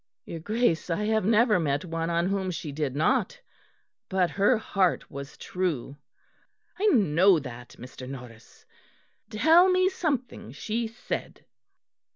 "Your Grace, I have never met one on whom she did not: but her heart was true." "I know that, I know that, Mr. Norris. Tell me something she said."